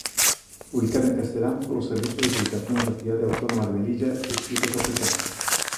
Publicado en castelán polo Servizo de Publicacións da Cidade Autónoma de Melilla, Escritos africanos.